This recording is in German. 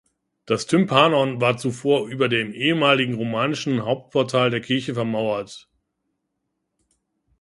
Das Tympanon war zuvor über dem ehemaligen romanischen Hauptportal der Kirche vermauert.